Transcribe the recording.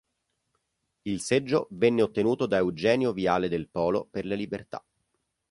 Il seggio venne ottenuto da Eugenio Viale del Polo per le Libertà.